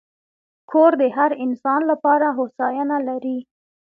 کور د هر انسان لپاره هوساینه لري.